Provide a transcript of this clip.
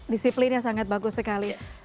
disiplinnya sangat bagus sekali